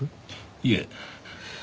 いえ。